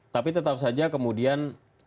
tapi tetap saja kemudian